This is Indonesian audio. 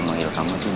manggil kamu tuh bella